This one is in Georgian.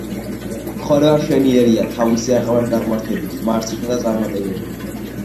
ცხოვრება მშვენიერია, თავისი აღმართ-დაღმართებით, მარცხითა და წარმატებები!